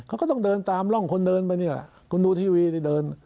เขาก็ต้องเดินตามร่องคนเดินไปนี่แหละคุณดูทีวีนี่เดิน